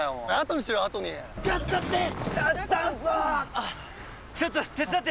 あっちょっと手伝って！